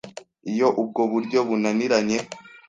Iyo ubwo buryo bunaniranye